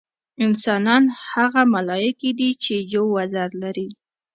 انسانان هغه ملایکې دي چې یو وزر لري.